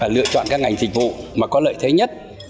lựa chọn các ngành dịch vụ mà có lợi thế nhất